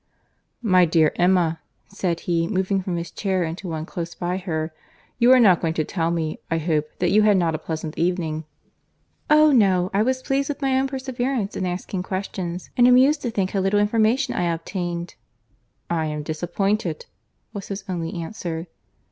"My dear Emma," said he, moving from his chair into one close by her, "you are not going to tell me, I hope, that you had not a pleasant evening." "Oh! no; I was pleased with my own perseverance in asking questions; and amused to think how little information I obtained." "I am disappointed," was his only answer.